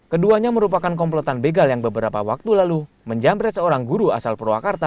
keduanya merupakan komplotan begal yang beberapa waktu lalu menjamret seorang guru asal purwakarta